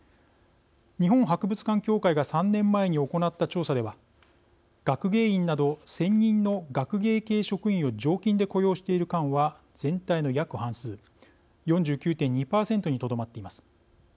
日本博物館協会が３年前に行った調査では学芸員など、専任の学芸系職員を常勤で雇用している館は全体の約半数４９．２％にとどまっています。